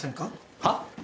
はっ？